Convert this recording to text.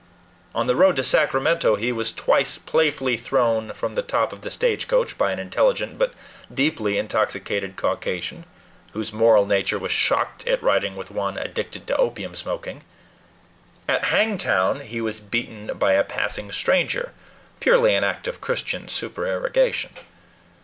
On the road to Sacramento he was twice playfully thrown from the top of the stagecoach by an intelligent but deeply intoxicated Caucasian, whose moral nature was shocked at riding with one addicted to opium smoking. At Hangtown he was beaten by a passing stranger purely an act of Christian supererogation.